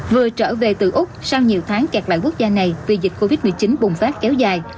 vừa trở về từ úc sau nhiều tháng kẹt lại quốc gia này vì dịch covid một mươi chín bùng phát kéo dài